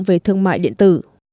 về thương mại điện tử